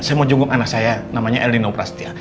saya mau junggung anak saya namanya elinoprastia